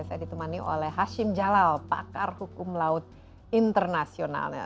saya ditemani oleh hashim jalal pakar hukum laut internasionalnya